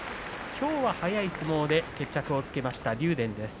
きょうは速い相撲で決着をつけた竜電です。